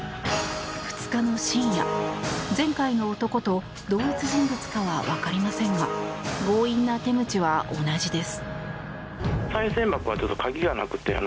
２日の深夜、前回の男と同一人物かは分かりませんが強引な手口は同じです。